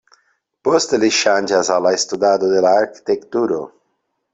Poste li ŝanĝas al la studado de la Arkitekturo.